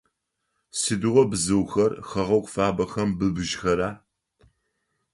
Сыдигъо бзыухэр хэгъэгу фабэхэм быбыжьхэра?